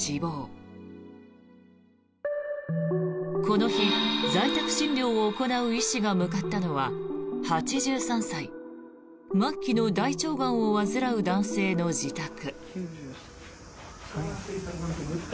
この日、在宅診療を行う医師が向かったのは８３歳、末期の大腸がんを患う男性の自宅。